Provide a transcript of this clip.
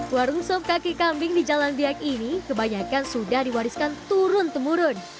warung sop kaki kambing di jalan biak ini kebanyakan sudah diwariskan turun temurun